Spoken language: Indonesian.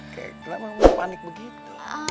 kenapa panik begitu